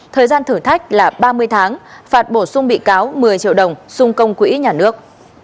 thời gian thử thách là ba mươi tháng phạt bổ sung bị cáo một mươi triệu đồng xung công quỹ nhà nước